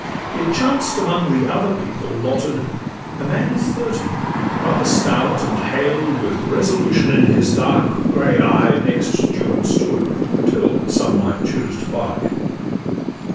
It chanced amongst the other people lotted, A man of thirty rather stout and hale, With resolution in his dark grey eye, Next Juan stood, till some might choose to buy.